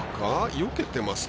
よけてますか？